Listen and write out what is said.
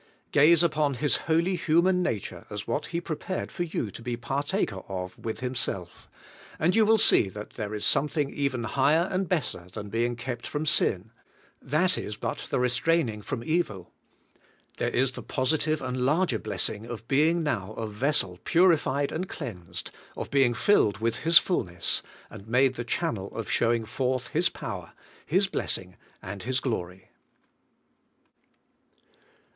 Gaze upon His holy human nature as what He prejpared for you to he partaher of ivith Himself^ and you will see THAT YOU MAY NOT SIN. 205 that there is something even higher and better than being kept from sin,— that is but the restraining from evil : there is the positive and larger blessing of being now a vessel purified and cleansed, of being filled with His fulness, and made the channel of showing forth His power, His blessing, and His glory.